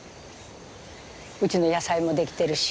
うちの野菜も出来てるし。